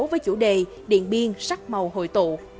với chủ đề điện biên sắc màu hội tụ